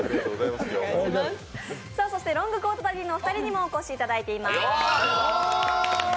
そしてロングコートダディのお二人にもお越しいただいています。